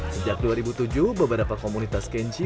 sejak dua ribu tujuh beberapa komunitas kenchi